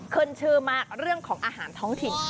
ขึ้นชื่อมากเรื่องของอาหารท้องถิ่น